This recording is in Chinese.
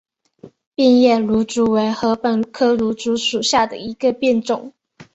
变叶芦竹为禾本科芦竹属下的一个变种。